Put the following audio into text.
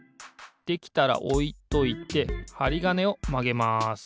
できたらおいといてはりがねをまげます。